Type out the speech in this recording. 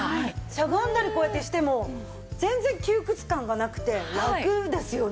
しゃがんだりこうやってしても全然窮屈感がなくてラクですよね。